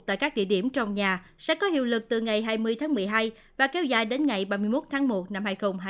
tại các địa điểm trong nhà sẽ có hiệu lực từ ngày hai mươi tháng một mươi hai và kéo dài đến ngày ba mươi một tháng một năm hai nghìn hai mươi